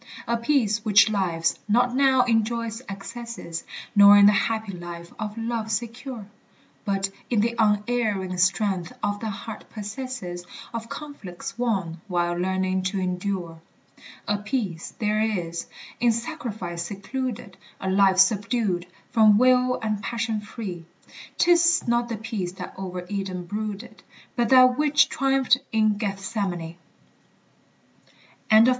A peace which lives not now in joy's excesses, Nor in the happy life of love secure, But in the unerring strength the heart possesses, Of conflicts won, while learning to endure. A peace there is, in sacrifice secluded, A life subdued, from will and passion free; 'Tis not the peace that over Eden brooded, But that which triumphed in Gethsemane. ANONYMOUS.